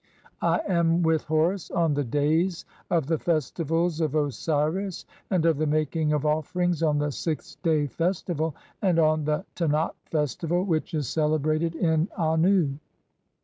I am with Horus on the days "(24) of the festivals of Osiris, and of the making of offerings "on the Sixth day festival, 3 and on the Tenat festival 4 [which is "celebrated] in (25) Annu.